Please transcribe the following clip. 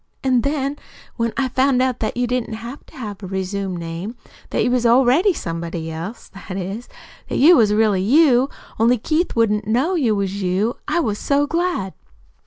An' then, when I found that you didn't have to have a resumed name, that you was already somebody else that is, that you was really you, only Keith wouldn't know you was you, I was so glad."